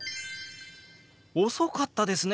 遅かったですね。